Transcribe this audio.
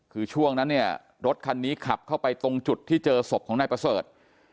คือช่วงนั้นเนี่ยรถคันนี้ขับเข้าไปตรงจุดที่เจอศพของนายประเสริฐ